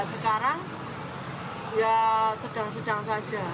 sekarang ya sedang sedang saja